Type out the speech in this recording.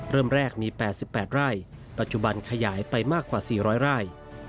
เริ่มแรกมี๘๘ไร่ปัจจุบันขยายไปมากกว่า๔๐๐ไร่